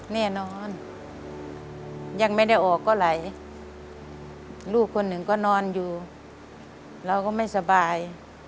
แน่นอนยังไม่ได้ออกก็ไหลลูกคนหนึ่งก็นอนอยู่เราก็ไม่สบาย